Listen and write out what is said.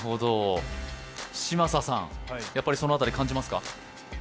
嶋佐さん、やっぱりその辺り、感じますか？